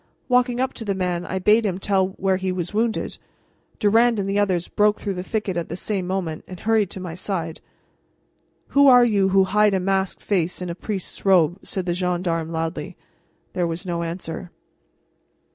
Walking up to the man, I bade him tell where he was wounded. Durand and the others broke through the thicket at the same moment and hurried to my side. "Who are you who hide a masked face in a priest's robe?" said the gendarme loudly. There was no answer.